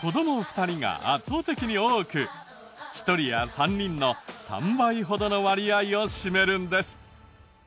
子供２人が圧倒的に多く１人や３人の３倍ほどの割合を占めるんです。